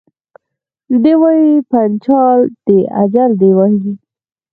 دی وايي پنچال دي اجل دي وي